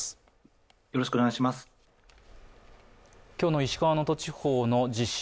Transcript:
今日の石川・能登地方の地震